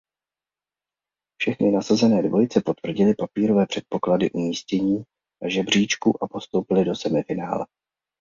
Všechny nasazené dvojice potvrdily papírové předpoklady umístění na žebříčku a postoupily do semifinále.